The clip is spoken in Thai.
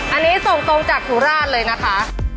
อันนี้ส่งตรงจากสุราชเลยนะคะ